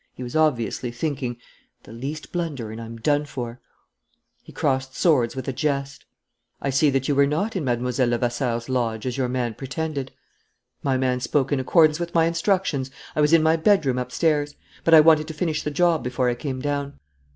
He was obviously thinking: "The least blunder, and I'm done for." He crossed swords with a jest. "I see that you were not in Mlle. Levasseur's lodge, as your man pretended." "My man spoke in accordance with my instructions, I was in my bedroom, upstairs. But I wanted to finish the job before I came down."